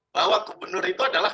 bahwa gubernur itu adalah